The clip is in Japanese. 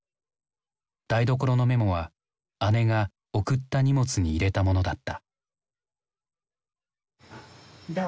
台所のメモは姉が送った荷物に入れたものだった。